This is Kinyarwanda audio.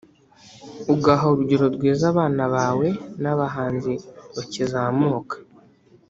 ugaha urugero rwiza abana bawe n’abahanzi bakizamuka